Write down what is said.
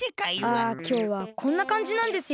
ああきょうはこんなかんじなんですよ。